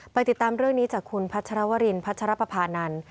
ติดตามเรื่องนี้จากคุณพัชรวรินพัชรปภานันทร์